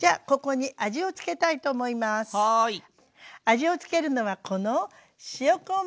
味を付けるのはこの塩昆布！